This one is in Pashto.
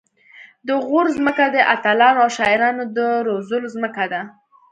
د غور ځمکه د اتلانو او شاعرانو د روزلو ځمکه ده